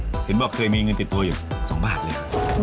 เห็นบอกเคยมีเงินติดตัวอยู่๒บาทเลย